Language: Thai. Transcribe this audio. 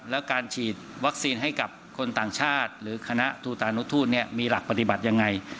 แล้วการฉีดวัคซีนให้กับคนต่างชาติหรือคณะทูตานุทูตมีหลักปฏิบัติยังไง